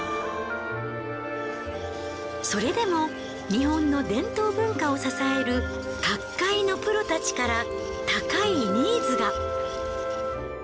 それでも日本の伝統文化を支える各界のプロたちから高いニーズが。